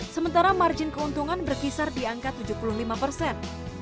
sementara margin keuntungan berkisar diantara masikot dan masikot